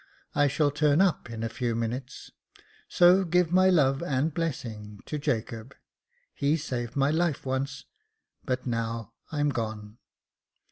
I shall turn up in a few minutes — so give my love and blessing to Jacob — he saved my life once — but now I'm gone.'